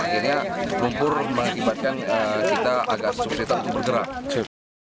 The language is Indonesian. akhirnya lumpur mengakibatkan kita agak kesulitan untuk bergerak